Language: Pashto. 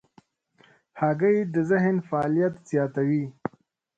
هګۍ د ذهن فعالیت زیاتوي.